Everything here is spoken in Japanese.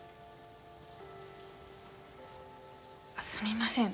すみません。